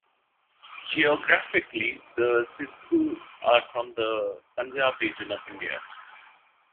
Geographically, the Sidhu are from the Punjab region of India.